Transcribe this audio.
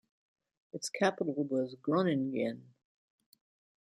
Its capital was Groningen.